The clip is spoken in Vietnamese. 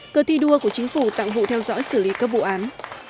cơ thi đua của chính phủ tặng vụ theo dõi xử lý các vụ án